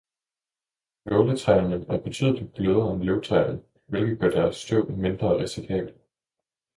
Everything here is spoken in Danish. Nåletræerne er betydeligt blødere end løvtræerne, hvilket gør deres støv mindre risikabel.